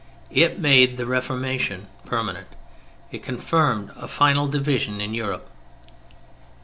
It made the Reformation permanent. It confirmed a final division in Europe.